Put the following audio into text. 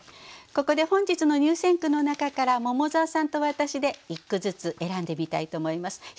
ここで本日の入選句の中から桃沢さんと私で１句ずつ選んでみたいと思います。